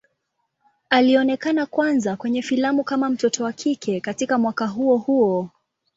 Alionekana kwanza kwenye filamu kama mtoto wa kike katika mwaka huo huo.